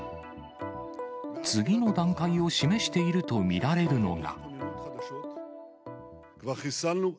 次の段階を示していると見られるのが。